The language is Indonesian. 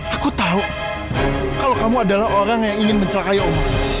aku tahu kalau kamu adalah orang yang ingin mencelakai allah